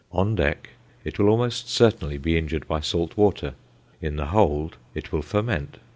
On deck it will almost certainly be injured by salt water. In the hold it will ferment.